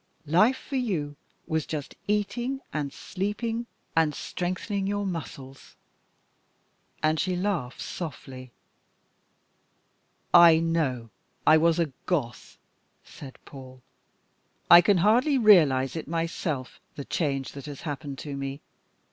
Life, for you, was just eating and sleeping and strengthening your muscles." And she laughed softly. "I know I was a Goth," said Paul. "I can hardly realise it myself, the change that has happened to me.